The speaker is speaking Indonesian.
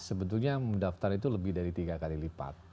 sebetulnya mendaftar itu lebih dari tiga kali lipat